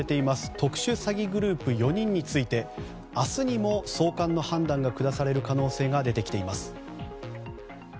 特殊詐欺グループ４人について明日にも送還の判断が下される可能性が出てきています。